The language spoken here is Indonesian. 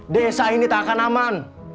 desa ini tak akan aman